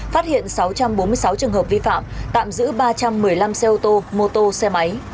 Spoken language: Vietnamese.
phát hiện sáu trăm bốn mươi sáu trường hợp vi phạm tạm giữ ba trăm một mươi năm xe ô tô mô tô xe máy